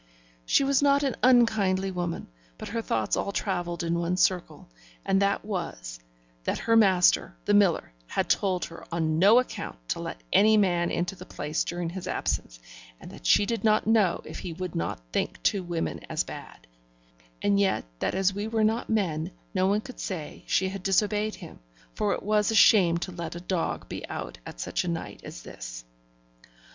She was not an unkindly woman; but her thoughts all travelled in one circle, and that was, that her master, the miller, had told her on no account to let any man into the place during his absence, and that she did not know if he would not think two women as bad; and yet that as we were not men, no one could say she had disobeyed him, for it was a shame to let a dog be out such a night as this.